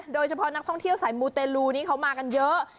โดยเฉพาะท่องเที่ยวใชมูเตลูเขามีมากันเยอะ